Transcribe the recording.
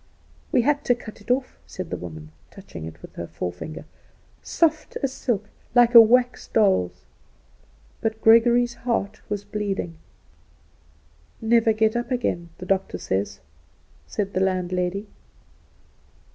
"We had to cut it off," said the woman, touching it with her forefinger. "Soft as silk, like a wax doll's." But Gregory's heart was bleeding. "Never get up again, the doctor says," said the landlady.